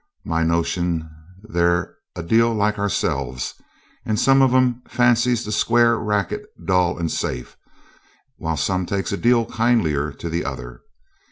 My notion's they're a deal like ourselves, and some of 'em fancies the square racket dull and safe, while some takes a deal kindlier to the other.